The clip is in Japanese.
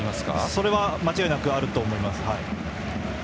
それは間違いなくあると思います。